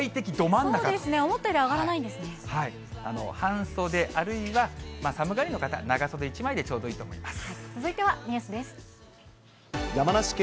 思ったより上が半袖、あるいは寒がりの方、長袖１枚でちょうどいいと思います。